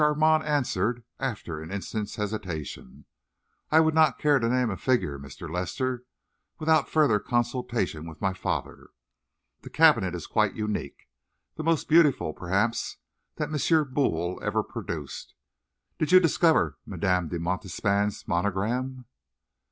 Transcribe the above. Armand answered, after an instant's hesitation, "I would not care to name a figure, Mr. Lester, without further consultation with my father. The cabinet is quite unique the most beautiful, perhaps, that M. Boule ever produced. Did you discover Madame de Montespan's monogram?"